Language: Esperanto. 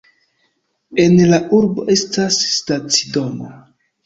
En la urbo estas stacidomo.